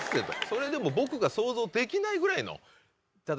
それでも僕が想像できないぐらいの？